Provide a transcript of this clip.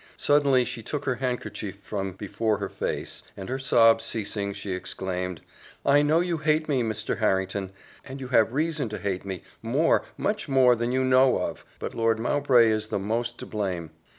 Suddenly she took her handkerchief from before her face, and her sobs ceasing, she exclaimed, "I know you hate me, Mr. Harrington, and you have reason to hate me more much more than you know of! But Lord Mowbray is the most to blame."